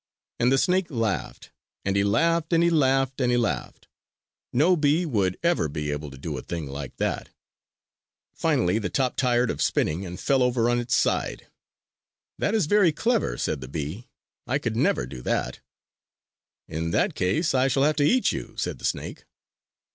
And the snake laughed! And he laughed and he laughed and he laughed! No bee would ever be able to do a thing like that! Finally the top got tired of spinning and fell over on its side. "That is very clever!" said the bee, "I could never do that!" "In that case, I shall have to eat you!" said the snake.